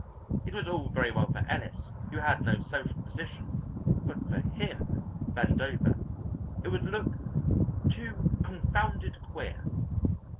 It was all very well for Ellis, who had no social position, but for him, Vandover, it would look too confounded queer.